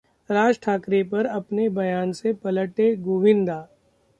राज ठाकरे पर अपने बयान से पलटे गोविंदा